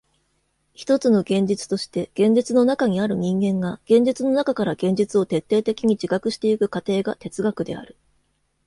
ひとつの現実として現実の中にある人間が現実の中から現実を徹底的に自覚してゆく過程が哲学である。